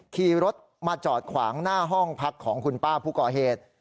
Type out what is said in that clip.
ขี่รถมาจอดขวางหน้าห้องพักของคุณป้าผู้ก่อเหตุ